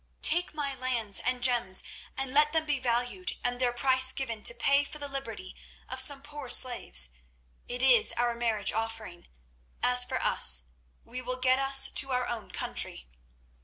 Take my lands and gems, and let them be valued, and their price given to pay for the liberty of some poor slaves. It is our marriage offering. As for us, we will get us to our own country."